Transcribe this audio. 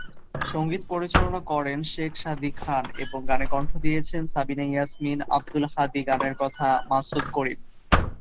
সঙ্গীত পরিচালনা করেন শেখ সাদী খান এবং গানে কন্ঠ দিয়েছেন সাবিনা ইয়াসমিন, আব্দুল হাদী গানের কথা মাসুদ করিম।